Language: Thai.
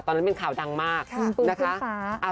ตอนนั้นเป็นข่าวดังมากนะคะ